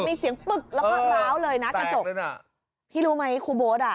มีเสียงปึ๊กแล้วก็ร้าวเลยนะกระจกพี่รู้ไหมครูโบ๊ทอ่ะ